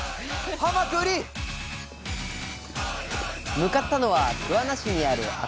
向かったのは桑名市にある赤須賀漁港。